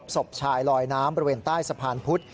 สบฉายลอยน้ำประเวนใต้สะพานพุธ